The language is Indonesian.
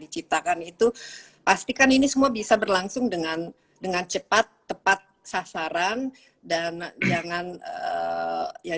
diciptakan itu pastikan ini semua bisa berlangsung dengan dengan cepat tepat sasaran dan jangan ya